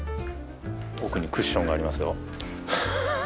奥にクッションがありますよ